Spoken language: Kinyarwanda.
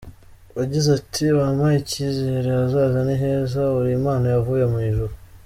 Yagize ati “Wampaye icyizere, ahazaza ni heza, uri impano yavuye mu ijuru.